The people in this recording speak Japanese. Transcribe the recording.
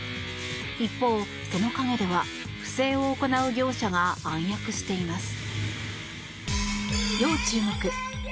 一方、その陰では不正を行う業者が暗躍しています。